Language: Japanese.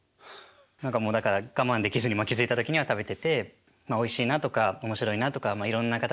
何かもうだから我慢できずに気付いた時には食べてておいしいなとか面白いなとかいろんな形で魅力に魅了されてって。